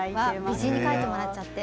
美人に描いてもらっちゃって。